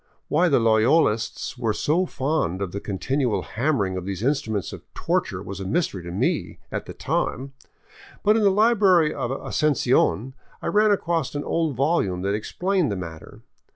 Why the Loyolists were so fond of the continual hammering of these instruments of torture was a mystery to me at the time, but in the library of Asuncion I ran across an old volume that explained the matter.